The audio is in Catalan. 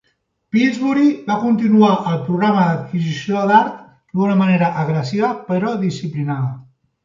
Pillsbury va continuar el programa d'adquisició d'art d'una manera agressiva però disciplinada.